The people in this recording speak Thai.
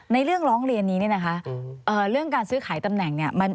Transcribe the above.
เรื่องร้องเรียนนี้เนี่ยนะคะเรื่องการซื้อขายตำแหน่งเนี่ย